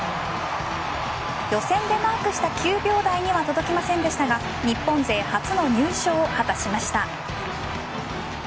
予選でマークした９秒台には届きませんでしたが日本勢初の入賞を果たしました。